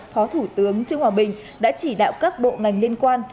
phó thủ tướng trương hòa bình đã chỉ đạo các bộ ngành liên quan